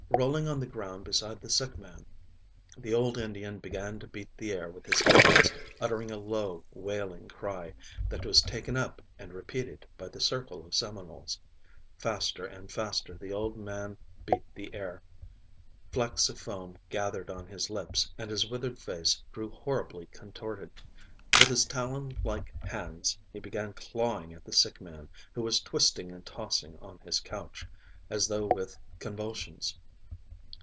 Rolling on the ground beside the sick man the old Indian began to beat the air with his hands, uttering a low, wailing cry, that was taken up and repeated by the circle of Seminoles. Faster and faster the old man beat the air, flecks of foam gathered on his lips, and his withered face grew horribly contorted. With his talon like hands he began clawing at the sick man, who was twisting and tossing on his couch, as though with convulsions.